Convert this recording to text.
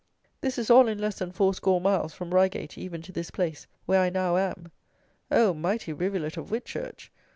This is all in less than four score miles, from Reigate even to this place, where I now am. Oh! mighty rivulet of Whitchurch!